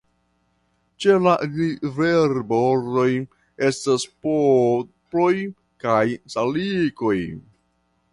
Ĉe la riverbordoj estas poploj kaj salikoj.